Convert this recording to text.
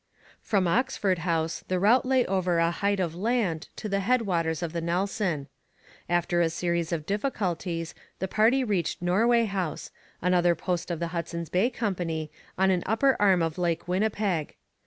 From Oxford House the route lay over a height of land to the head waters of the Nelson. After a series of difficulties the party reached Norway House, another post of the Hudson's Bay Company, on an upper arm of Lake Winnipeg.